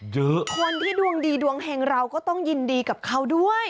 คนที่ดวงดีดวงเฮงเราก็ต้องยินดีกับเขาด้วย